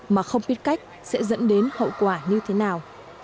mà không biết cách sẽ dẫn đến hậu quả như thế nào